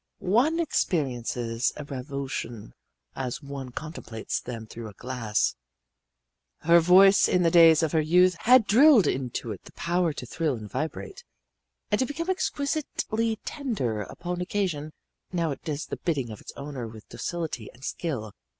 One experiences a revulsion as one contemplates them through a glass. Her voice in the days of her youth had drilled into it the power to thrill and vibrate, and to become exquisitely tender upon occasion, and now it does the bidding of its owner with docility and skill.